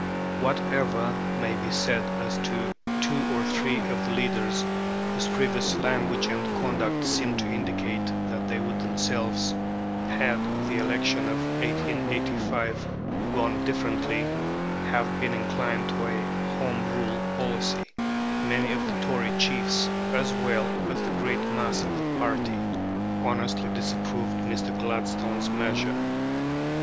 Whatever may be said as to two or three of the leaders, whose previous language and conduct seemed to indicate that they would themselves, had the election of 1885 gone differently, have been inclined to a Home Rule policy, many of the Tory chiefs, as well as the great mass of the party, honestly disapproved Mr. Gladstone's measure.